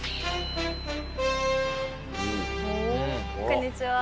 こんにちは。